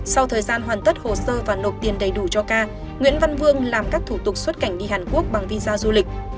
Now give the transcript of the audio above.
sau thời gian hoàn tất hồ sơ và nộp tiền đầy đủ cho ca nguyễn văn vương làm các thủ tục xuất cảnh đi hàn quốc bằng visa du lịch